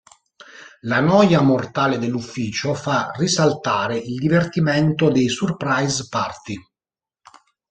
La noia mortale dell'ufficio fa risaltare il divertimento dei "surprise-party".